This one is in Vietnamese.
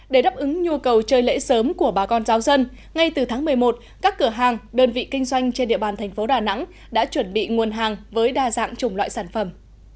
để đáp ứng nhu cầu chơi lễ sớm của bà con giáo dân ngay từ tháng một mươi một các cửa hàng đơn vị kinh doanh trên địa bàn thành phố đà nẵng đã chuẩn bị nguồn hàng với đa dạng chủng loại sản phẩm